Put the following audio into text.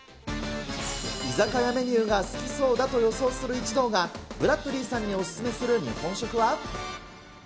居酒屋メニューが好きそうだと予想する一同が、ブラッドリーさんにお勧めする日本食は？